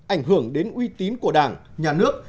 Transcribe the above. ảnh hưởng đến uy tín của đảng nhà nước